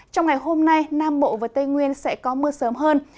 trong ngày hôm nay nam bộ và tây nguyên sẽ có mưa sớm hơn